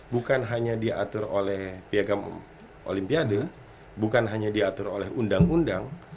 bukan hanya diatur oleh piagam olimpiade bukan hanya diatur oleh undang undang